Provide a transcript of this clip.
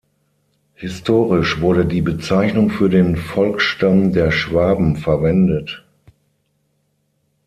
Historisch wurde die Bezeichnung für den Volksstamm der Schwaben verwendet.